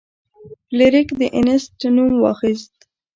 فلیریک د انیسټ نوم واخیست.